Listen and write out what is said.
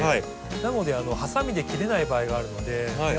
なのでハサミで切れない場合があるので。